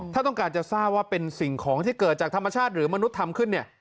ถ้าต้องการจะทราบว่าเป็นสิ่งของที่เกิดจากธรรมชาติหรือมนุษย์ทำขึ้นเนี่ย